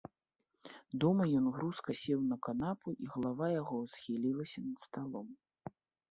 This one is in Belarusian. Дома ён грузка сеў на канапу і галава яго схілілася над сталом.